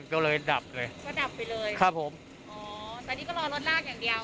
ก็เลยดับเลยก็ดับไปเลยครับผมอ๋อแต่นี่ก็รอรถลากอย่างเดียว